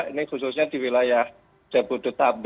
ini khususnya di wilayah jabodetabek dan dua puluh lima stbu